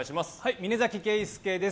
峯崎圭輔です。